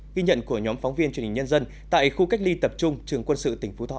ghi nhận của nhóm phóng viên truyền hình nhân dân tại khu cách ly tập trung trường quân sự tỉnh phú thọ